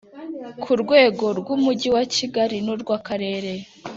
ku rwego rw umujyi wa kigali n urw akarere